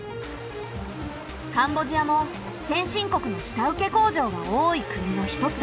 カンボジアも先進国の下請け工場が多い国の一つだ。